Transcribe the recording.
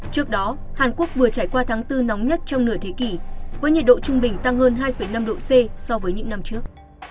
trước đó hàn quốc vừa trải qua tháng bốn nóng nhất trong nửa thế kỷ với nhiệt độ trung bình tăng hơn hai năm độ c so với những năm trước